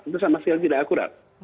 itu sama sekali tidak akurat